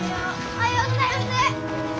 おはようございます！